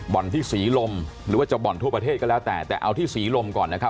ที่ศรีลมหรือว่าจะบ่อนทั่วประเทศก็แล้วแต่แต่เอาที่ศรีลมก่อนนะครับ